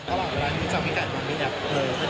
ทั้งหลังเวลาที่เคาร์ร์ทำอีกการในหัวหมี่